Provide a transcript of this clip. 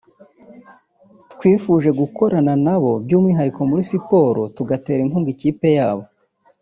twifuje gukorana nabo by’umwihariko muri Siporo tugatera inkunga ikipe yabo”